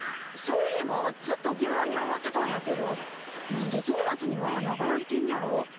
そういえばずっと疑問に思ってたんやけど何でドーナツには穴が開いてんねやろ？